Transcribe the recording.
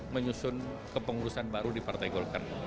menyusun kepengurusan baru di partai golkar